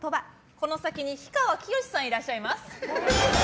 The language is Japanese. この先に氷川きよしさんいらっしゃいます。